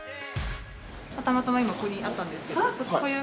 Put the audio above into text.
たまたま今ここにあったんですけど。